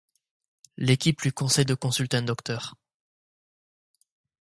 L'équipe lui conseille de consulter un docteur.